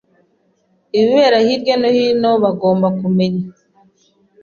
ibibera hirya no hino bagomba kumenya